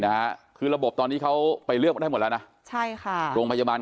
นะฮะคือระบบตอนนี้เขาไปเลือกได้หมดแล้วนะใช่ค่ะโรงพยาบาล